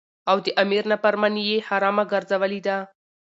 او د امیر نافرمانی یی حرامه ګرځولی ده.